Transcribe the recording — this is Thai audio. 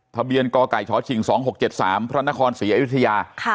ทะเบียนกกฉ๒๖๗๓พระนครศรีอยุธยา